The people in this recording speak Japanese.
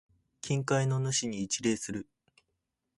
近海の主に一礼する。